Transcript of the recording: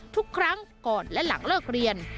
ทุกครั้งก่อนและหลังเลิกเรียน